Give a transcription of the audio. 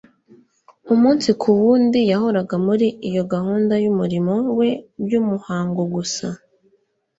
Umunsi ku wundi yahoraga muri iyo gahunda y'umurimo we by'umuhango gusa,